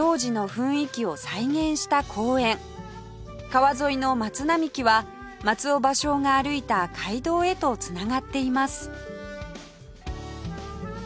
川沿いの松並木は松尾芭蕉が歩いた街道へと繋がっています